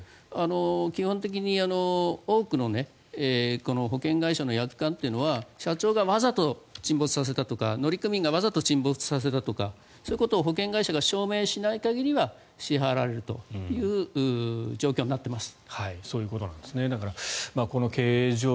基本的に多くのこの保険会社の約款というのは社長がわざと沈没させたとか乗組員がわざと沈没させたとかそういうことを保険会社が証明しない限りは支払われるという状況になっています。